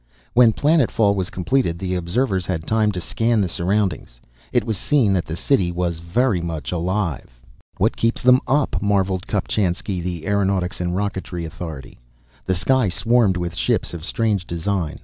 When planet fall was completed and observers had time to scan the surroundings it was seen that the city was very much alive. "What keeps them up!" marvelled Kopchainski, the aeronautics and rocketry authority. The sky swarmed with ships of strange design.